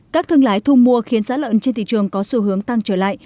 các thương lái thu mua khiến giá lợn trên thị trường có xu hướng tăng trở lại